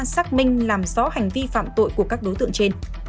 xác minh làm rõ hành vi phạm tội của các đối tượng trên